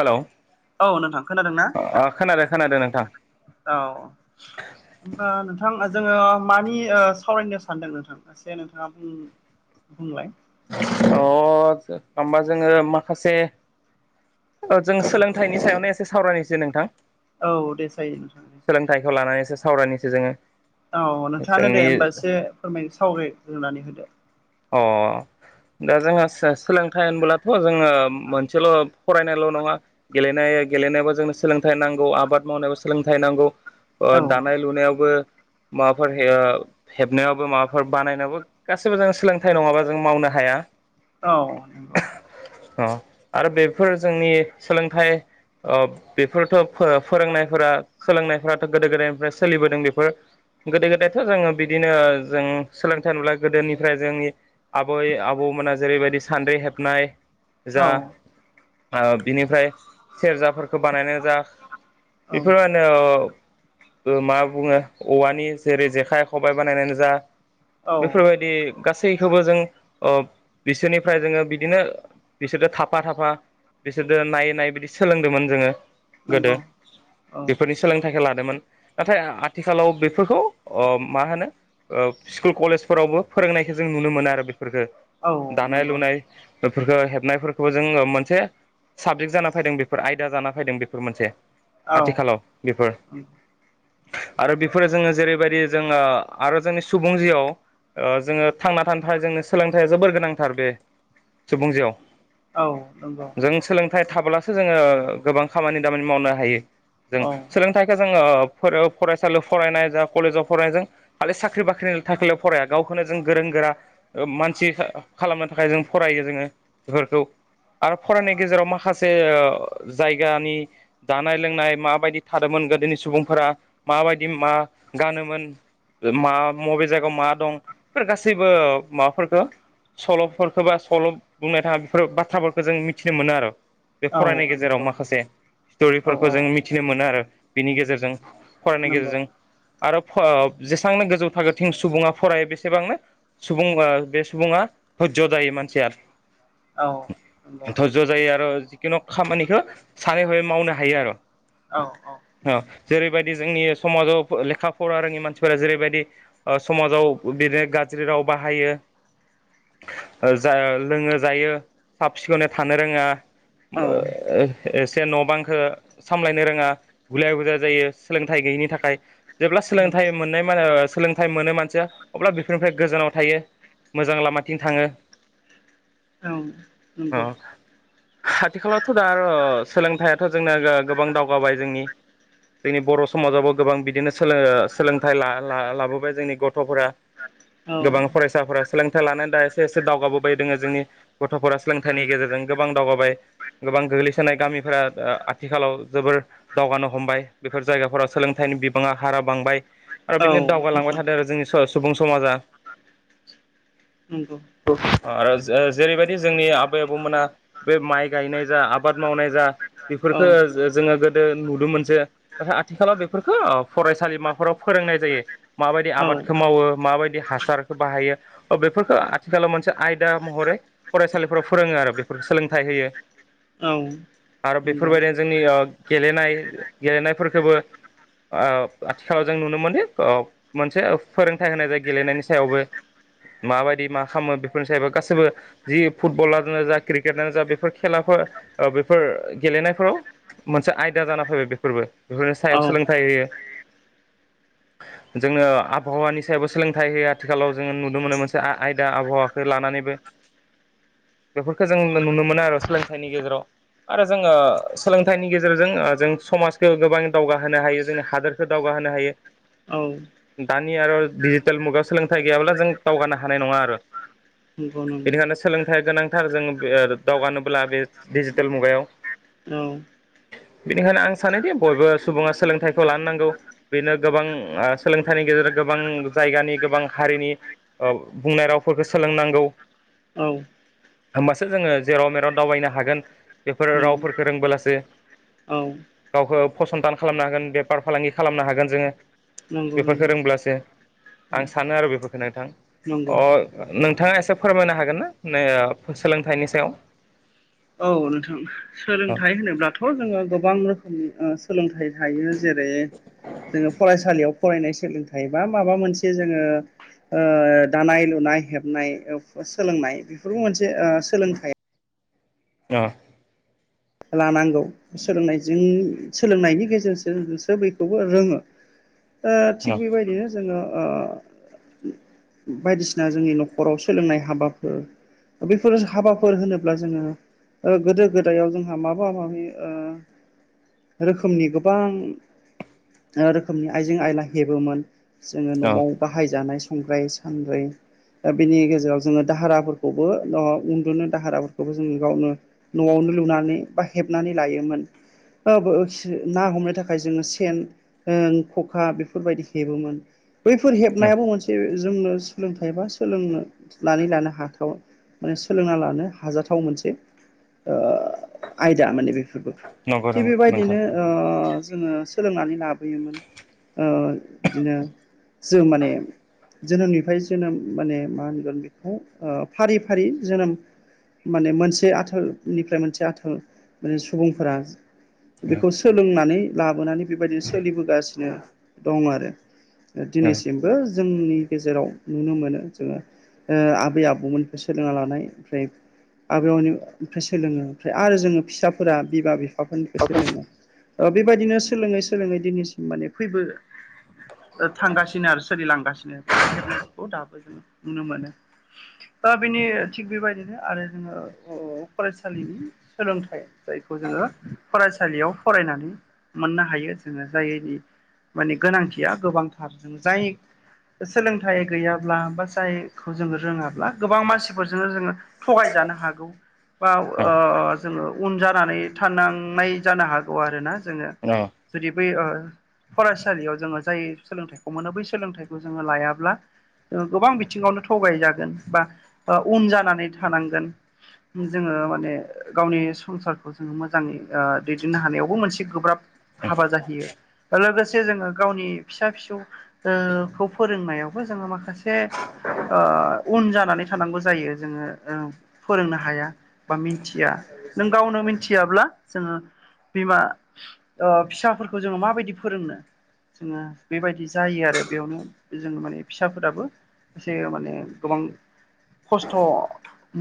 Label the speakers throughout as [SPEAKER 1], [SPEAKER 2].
[SPEAKER 1] Hello
[SPEAKER 2] औ नोंथां खोनादोंना
[SPEAKER 1] ओ खोनादों खोनादों नोंथां।
[SPEAKER 2] औ होनबा नोंथां जोङो मानि ओ सावरायनो सानदों नोंथां एसे नोंथाङा बुं बुंलाय।
[SPEAKER 1] अ आतसा होमबा जोङो माखासे औ जों सोलोंथाइनि सायावनो एसे सावरायनोसै नोंथां।
[SPEAKER 2] औ दे जायो नोंथां दे।
[SPEAKER 1] सावरायनिसो जोङो।
[SPEAKER 2] औ नोंथाङानो दे
[SPEAKER 1] जोंनि
[SPEAKER 2] होमबा एसे फोरमाय सावरायग्रोंनानै होदो।
[SPEAKER 1] अ। दा जोंहा सो सोलोंथाइ होनबोब्लाथ' जोङो मोनसेल' फरायनायल' नङा गेलेनाय गेलेनायाबो जोंनो सोलोंथाइ नांगौ आबाद मावनायाव सोलोंथाइ नांगौ। ओ
[SPEAKER 2] औ
[SPEAKER 1] दानाय लुनायावबो माबाफोर हेब हेबनायावबो माबाफोर बानायनायावबो गासिबो जों सोलों थाइ नङाबा जों मावनो हाया।
[SPEAKER 2] औ नंगौ।
[SPEAKER 1] अ आरो बेफोर जोंनि सोलोंथाइ ओ बेफोरथ' फो फोरोंनायफोरा सोलोंनायफोराथ' गोदो गोदायनिफ्राय सोलिबोदों बेफोर गोदो गोदायथ' जोङो बिदिनो जों सोलोंथाइ नुबुला गोदोनिफ्राय जोंनि आबै आबौमोना जेरैबायदि सान्द्रि हेबनाय जा
[SPEAKER 2] औ
[SPEAKER 1] ओ बिनिफ्राय सेरजाफोरखौ बानायनाय जा
[SPEAKER 2] औ
[SPEAKER 1] बेफोर मानो ओ मा बुङो औवानि जेरै जेखाइ खबायाइ बानायनानै जा
[SPEAKER 2] औ
[SPEAKER 1] बेफोरबायदि गासै सैखौबो जों ओ बिसोरनिफ्राय जोङो बिदिनो बिसोरो थाफा थाफा बिसोरजों नायै नायै बिदि सोलोंदोंमोन जोङो गोदो।
[SPEAKER 2] नंगौ औ
[SPEAKER 1] बेफोरनि सोलोंथाइखौ लादोंमोन नाथाय आथिखालाव बेफोरखौ मा होनो स्कुल कलेजफोरावबो फोरोंनाय जों नुनो मोनो आरो बेफोरखौ
[SPEAKER 2] औ नंगौ नंगौ
[SPEAKER 1] दानाय-लुनाय फोरफोरखौ हेबनायफोरखौबो जोङो मोनसे साबजेक्ट जाना फैदों बेफोर आयदा जाना फैदों बेफोर मोनसे।
[SPEAKER 2] औ
[SPEAKER 1] आथिखालाव बेफोर आरो बेफोरो जोङो जेरैबायदि जोङो आरो जोंनि सुबुं जिआव जोङो थांना थानो थाखाय जोंनो सोलोंथाइया जोबोर गोनांथार बे सुबुंजिउयाव।
[SPEAKER 2] औ नंगौ।
[SPEAKER 1] सोलोंथाय थाब्लासो जोङो गोबां खामानि दामानि मावनो हायो जों।
[SPEAKER 2] औ
[SPEAKER 1] सोलोंथाइखौ जोङो फोर फरायसालियाव फरायनाय जा कलेजाव फरायनायजों खालि साख्रि बाख्रिनि थाखायल' फराया गावखौनो जों गोरों गोरा मानसि खालामनो थाखाय जों फरायो जोङो बेफोरखौ आरो फरायनाय गेजेराव माखासे जायगानि जानाय- लोंनाय माबायदि थादोंमोन गोदोनि सुबुंफोरा माबायदि मा गानोमोन मा मबे जायगायाव मा दं बे गासैबो माबाफोरखौ सल'फोरखौ बा सल' बुंनाय थाङा बेफोर बाथ्राफोरखौ जों मिथिनो मोनो आरो। बे
[SPEAKER 2] औ
[SPEAKER 1] फरायनाय गेजेराव
[SPEAKER 2] नंगौ
[SPEAKER 1] माखासे
[SPEAKER 2] औ
[SPEAKER 1] स्ट'रिफोरखौ
[SPEAKER 2] औ
[SPEAKER 1] जों मिथिनो मोनो आरो बिनि गेजेरजों। फरायनायनि
[SPEAKER 2] नंगौ
[SPEAKER 1] गेजेरजों आरो जेसांनो गोजौ थाखोथिं सुबुङा फरायो बेसे एसेबांनो सुबुं बे सुबुङा धज्य' जायो मानसिया।
[SPEAKER 2] औ नंगौ औ औ
[SPEAKER 1] धरज' जायो आरो जिखुनु खामानिखौ सानै हाबै मावनो हायो आरो।
[SPEAKER 2] औ
[SPEAKER 1] औ जेरैबायदि जोंनि समाजाव लेखा फरा रोङि मानसिफोरा जेरैबायदि समाजाव बिदिनो गाज्रि राव बाहायो जा लोङो जायो साब सिखोनै थानो रोङा [inaudible] न' बांखौ सामलायनो रोङा गुलाय-गुजाय जायो सोलोंथाइ गैयिनि थाखाय जेब्ला सोलोंथाइ मोननाय मान सोलोंथाइ मोनो मानसिया अब्ला बेफोरनिफ्राय गोजानाव थायो मोजां लामाथिं थाङो।
[SPEAKER 2] औ
[SPEAKER 1] अ
[SPEAKER 2] नंगौ।
[SPEAKER 1] आथिखालावथ' दा आरो सोलोंथाइथ' जोंना गोबां दावगाबाय जोंनि जोंनि बर' समाजावबो गोबां बिदिनो सोलों सोलोंथाइ लाबोबाय जोंनि गथ'फोरा गोबां
[SPEAKER 2] औ
[SPEAKER 1] फरायसाफोरा सोलोंथाइ थाय लानानै दा एसे एसे दावगाबोबाय दोङो जोंनि गथ'फोरा। सोलोंथाइनि गेजेरजों गोबां दावगाबाय गोबां गोग्लैसोनाय गामिफोरा आथिखालाव जोबोर दावगानो हमबाय बेफोर जायगाफोराव सोलोंथाइनि बिबाङा हारा बांबाय आरो
[SPEAKER 2] औ
[SPEAKER 1] बिदिनो दावगालांबाय
[SPEAKER 2] नंगौ
[SPEAKER 1] थादों आरो जोंनि सुबुं समाजा।
[SPEAKER 2] नंगौ।
[SPEAKER 1] आरो जेरैबायदि जोंनि आबै-आबौमोना बे माइ गायनाय जा आबाद मावनाय जा
[SPEAKER 2] औ
[SPEAKER 1] बेफोरफोरखौ जोङो गोदो नुदोंमोन जे नाथाय आथिखालाव बेफोरखौ फरायसालिमाफोराव फोरोंनाय जायो माबायदि
[SPEAKER 2] औ
[SPEAKER 1] आबादखौ मावो माबायदि हासारखौ बाहायो बेफोरखौ आथिखालाव मोनसे आयदा महरै फरायसालिफ्राव फोरोङो। आरो बेफोरखौ सोलोंथाइ होयो
[SPEAKER 2] औ
[SPEAKER 1] आरो
[SPEAKER 2] नंगौ
[SPEAKER 1] बेफोरबायदिनो जोंनि गेलेनाय गेलेनायफोरखौबो आथिखालाव जों नुनो मोनदि मोनसे फोरोंथाइ होनाय जाय गेलेनायनि सायावबो माबायदि मा खालामो बेफोरनि सायावबो गासैबो जि फुटबलानो जा क्रिकेटानो जा बेफोर खेलाफोर बेफोर गेलेनायफोराव मोनसे आयदा जाना फैबाय बेफोरबो। बेफोरनि सायाव
[SPEAKER 2] औ
[SPEAKER 1] सोलोंथाइ होयो
[SPEAKER 2] [inaudible]
[SPEAKER 1] जोङो। आबहावानि सायावबो सोलोंथाइ होयो आथिखालाव जोङो नुनो मोनो मोनसे आयदा आबहावाखौ लानानैबो। बेफोरखौ जों नुनो मोनो आरो सोलोंथाइनि गेजेराव आरो जोङो सोलोंथाइनि गेजेरजों ओ जों समाजखो गोबां दावगाहोनो हायो जोंनि हादोरखौ दावगा होनो हायो।
[SPEAKER 2] औ
[SPEAKER 1] दानि आरो डिजिटेल मुगायाव सोलोंथाइ गैयाब्ला जों दावगानो हानाय नङा आरो।
[SPEAKER 2] नंगौ नंगौ
[SPEAKER 1] बेनिखायनो सोलोंथाइ गोनां थार जोंनो बे ओ दावगानोब्ला बे डिजिटेल मुगायाव
[SPEAKER 2] उम
[SPEAKER 1] बेनिखायनो आं सानोदि बयबो सुबुङा सोलोंथाइखौ लानो नांगौ बेनो गोबां आ सोलों थायनि गेजेरजों गोबां जायगानि गोबां हारिनि ओ बुंनाय रावफोरखौ सोलोंनांगौ।
[SPEAKER 2] औ
[SPEAKER 1] होमबासो जोङो जेराव मेराव दावबायनो हागोन बेफोर
[SPEAKER 2] नंगौ
[SPEAKER 1] रावफोरखौ रोंबोलासो
[SPEAKER 2] औ
[SPEAKER 1] गावखौ फसंथान खालामनो हागोन बेफार फालांगि खालामनो हागोन जोङो।
[SPEAKER 2] नंगौ
[SPEAKER 1] बेफोरखौ
[SPEAKER 2] नंगौ
[SPEAKER 1] रोंब्लासो
[SPEAKER 2] औ
[SPEAKER 1] आं सानो आरो बेफोरफोरखौ नोंथां
[SPEAKER 2] नंगौ
[SPEAKER 1] अ नोंथाङा एसे फोरमायनो हागोनना नो ओ सोलोंथाइनि सायाव?
[SPEAKER 2] औ नोंथां
[SPEAKER 1] अ
[SPEAKER 2] सोलोंथाइ होनोब्लाथ' जोङो गोबां रोखोमनि ओ सोलोंथाइ थायो‌। जेरै जोङो फरायसालियाव फरायनाय सोलोंथाइ बा माबा मोनसे जोङो ओ दानाय लुनाय हेबनाय सोलोंनाय बेफोरबो मोनसे ओ सोलोंथाइ।
[SPEAKER 1] ओ
[SPEAKER 2] लानांगौ सोलोंनायजों सोलोंनायनि गेजेरजोंसो बखौबो रोङो। ओ थिग बेबायदिनो जोङो ओ बायदिसिना जोंनि न'खराव सोलोंनाय हाबाफोर बेफोर हाबाफोर होनोब्ला जोङो ओ गोदो गोदायाव जों हा माबा माबि ओ रोखोमनि गोबां रोखोमनि आइजें आयला हेबोमोन। जोङो
[SPEAKER 1] अ
[SPEAKER 2] न'आव बाहायजानाय संग्राय सानद्रै। ओ बेनि गेजेराव जोङो दाहाराफोरखौबो उन्दुनो दाहाराफोरखौबो जोङो गावनो न'आवनो लुनानै बा हेबनानै लायोमोन। ओ बो ओ ना हमनो थाखाय जोङो सेन ओं खखा बेफोरबायदि हेबोमोन। बैफोर
[SPEAKER 1] अ
[SPEAKER 2] हेबनायाबो मोनसे जोंनो सोलोंथाइ बा सोलोंनानै लानो हाथाव माने सोलोंना लानो हाजाथाव मोनसे ओ आयदा माने बेफोरबो
[SPEAKER 1] नंगौ
[SPEAKER 2] थिग
[SPEAKER 1] नंगौ नोंथां
[SPEAKER 2] बेबायदिनो ओ जोङो सोलोंनानै लाबोयोमोन ओ इदिनो जों माने जोनोमनिफाय जोनोम माने मा होनगोन बेखौ ओ फारि फारि जोनोम माने मोनसे आथोलनिफ्राय मोनसे आथोल माने सुबुंफोरा बेखौ सोलोंनानै लाबोनानै बेबायदिनो सोलिबोगासिनो दं आरो
[SPEAKER 1] नंगौ
[SPEAKER 2] दिनैसिमबो। जोंनि गेजेराव नुनो मोनो जोङो। ओ आबै आबौमोनफ्राय सोलोंना लानाय ओमफ्राय आबै आबौनि ओमफ्राय सोलोङो ओमफ्राय आरो जोङो फिसाफोरा बिमा बिफाफोरनिफ्राय सोलोङो। ओ बेबायदिनो सोलोङै सोलोङै दिनैसिम माने फैबो थांगासिनो आरो सोलिलांगासिनो बे जेबनायफोरखौ दाबो जों नुनो मोनो। दा बेनि थिग बेबायदिनो आरो जोङो ओ फरायसालिनि सोलोंथाइ जायखौ जोङो फरायसालियाव फरायनानै मोननो हायो जोङो जायनि माने गोनांथिया गोबांथार जाय सोलोंथाइ गैयाब्ला बा जायखौ जोङो रोङाब्ला गोबां मानसिफोरजोंनो जोङो थगायजानो हागौ। बा ओ जोङो उन जानानै थानांनाय जानो हागौ आरोना जोङो जुदि बै ओ फरायसालियाव जोङो जाय सोलोंथाइखौ मोनो बै सोलोंथाइखौ जोङो लायाब्ला। ओ गोबां बिथिङावनो थगायजागोन बा उन जानानै थानांगोन। जोङो माने गावनि संसारखौ जोङो मोजाङै दैदेननो हानायावबो मोनसे गोब्राब हाबा जाहैयो लोगोसे जोङो गावनि फिसा फिसौखौ फोरोंनायावबो जोङो माखासे उन जानानै थानांगौ जायो जोङो फोरोंनो हाया बा मिथिया नों गावनो मिथियाब्ला जोङो बिमा फिसाफोरखौ जोङो माबायदि फोरोंनो? जोङो बेबायदि जायो आरो बेयावनो जों माने फिसाफोराबो एसे माने गोबां खस्थ'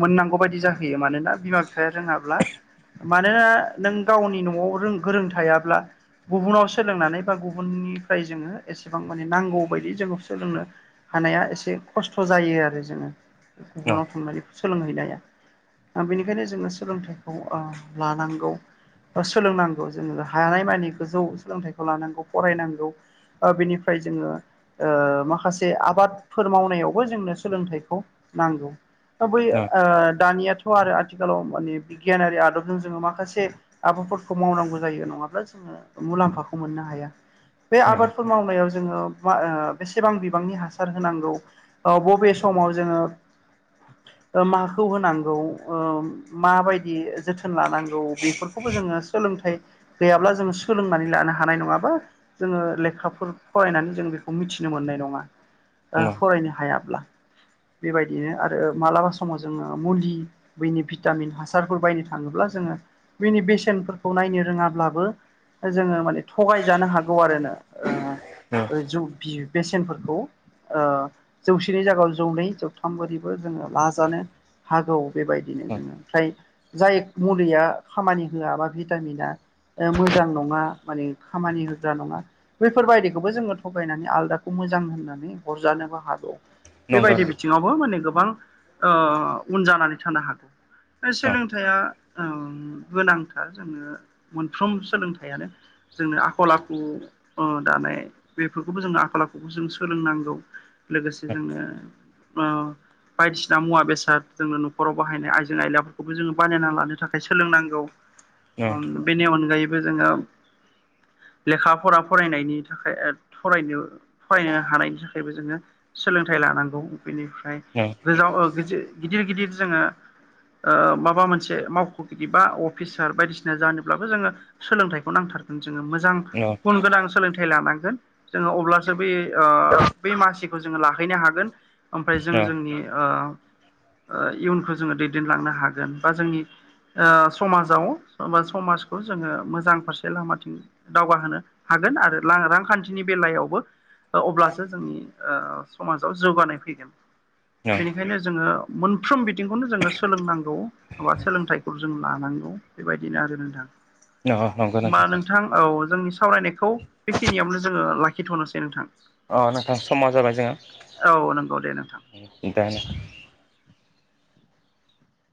[SPEAKER 2] मोननांगौ बायदि जाहैयो मानोना बिमा बिफाया रोङाब्ला मानोना नों गावनि न'आव गोरों थायाब्ला गुबुनाव सोलोंनानै बा गुबुननिफ्राय जोङो एसेबां माने नांगौ बायदि जोंङ सोलोंनो हानाया एसे खस्थ' जायो आरो जोङो गुबुनाव
[SPEAKER 1] नंगौ
[SPEAKER 2] थांनानै सोलोंहैनाया बेनिखायनो जोङो सोलोंथाइखौ लानांगौ। सोलोंनांगौ जोङो हानाय मानि गोजौ सोलोंथाइखौ लानांगौ फरायनांगौ बेनिफ्राय जोङो माखासे आबादफोर मावनायावबो जोंनो सोलोंथाइखौ नांगौ। दा बै दानियाथ' आरो आथिखालाव माने बिगियानारि आदबजों जोङो माखासे आबादफोरखौ मावनांगौ जायो नङाब्ला जोङो मुलाम्फाखौ मोननो हाया बे आबादफोर मावनायाव जोङो बेसेबां बिबांनि हासार होनांगौ बबे समाव जोङो माखौ होनांगौ माबायदि जोथोन लानांगौ बेफोरखौबो जोङो सोलोंथाइ गैयाब्ला जोङो सोलोंनानै लानो हानाय नङा। जोङो लेखाफोर फरायनानै जों बेखौ मिथिनो मोननाय नङा फरायनो हायाब्ला बेबायदिनो आरो मालाबा समाव जोङो मुलि बेनि भिटामिन हासार हासारफोर बायनो थाङोब्ला जोङो बिनि बेसेनफोरखौ नायनो रोङाब्लाबो जोङो माने थगायजानो हागौ आरो ना ओ जों बेसेनफोरखौ जौसेनि जागायाव जौनै जौथाम बोरिबो जोङो लाजानो हागौ बेबायदिनो जोङो फ्राय जाय मुलिया खामानि होआ बा भिटामिना मोजां नङा माने खामानि होग्रा नङा बैफोरबायदिखौबो जोङो थगायनानै आलदाखौ मोनो मोजां होननानै हरजानोबो हागौ। बेबायदि बिथिङावबो माने गोबां उन जानानै थानो हागौ सोलोंथाइ गोनांथार जोंङो मोनफ्रोम सोलोंथाइयानो जोंनो आखल आखु दानाय बेफोरखौबो जों आखल आखुखौ जों सोलोंनांगौ लोगोसे जों बायदिसिना मुवा बेसाद जोंनो न'खराव बाहायनाय आइजें आइलाफोरखौबो जोङो बानायना लानो थाखाय सोलोंनांगौ बेनि अनगायैबो जोङो [inaudible] लेखा फरा फरायनायनि थाखाय फरायनो फरायनो हानायनि थाखायबो जोङो सोलोंथाइ ला लानांगौ बिनिफ्राय गोजाव ओ गिदिर गिदिर ओ माबा मोनसे मावख'गिरि बा अफिसार बायदिसिना जानोब्लाबो जोङो सोलोंथाइखौ नांथारगोन। मोजां गुन गोनां सोलोंथाइ लानांगौ जोङो अब्लासो बै ब मासिखौ जोङो लाहैनो हागोन ओमफ्राय जोंङो जोंनि इयुनखौ जोङो दैदेनलांनो हागोन बा जोंनि समाजाव बा समाजखौ जोङो मोजां फारसे लामाथिं दावगाहोनो हायो। आरो रांखान्थिनि बेलायावबो अब्लासो जोंनि समाजाव जौगानाय फैगोन। बेनिखायनो जोङो मोनफ्रोम बिथिंखौनो जोङो सोलोंनांगौ बा सोलोंथाइखौ जों लानांगौ बेबायदिनो आरो नोंथां नोंथां औ जोंनि सावरायनायखौ बेखिनियावनो जोङो लाखिथ'नोसै नोंथां
[SPEAKER 1] अ नोंथां समा जाबाय
[SPEAKER 2] औ नंगौ दे नोंथां
[SPEAKER 1] जोंहा उम दे नोंथां।